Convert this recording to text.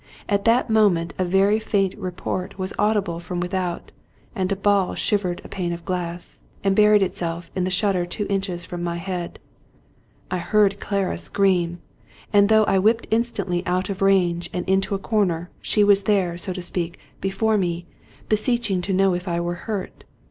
At that moment a very faint report was audible from without, and a ball shivered a pane of glass, and buried itself in the shutter two inches from my head. I heard Clara scream; and though I whipped instantly out of range and into a corner, she was there, so to speak, before me, beseeching to know if I were hurt.